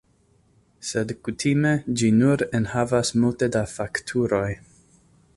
Sed kutime, ĝi nur enhavas multe da fakturoj.